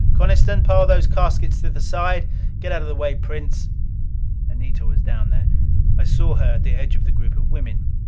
Coniston, pile those caskets to the side. Get out of the way, Prince." Anita was down there. I saw her at the edge of the group of women.